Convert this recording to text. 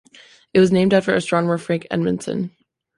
It was named after astronomer Frank Edmondson.